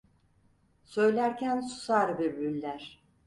Söylerken susar bülbüller.